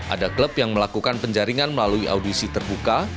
ada klub yang melakukan penjaringan melalui audisi terbuka